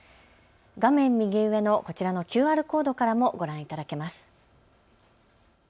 画面右上のこちらのＱＲコードからもご覧いただけます。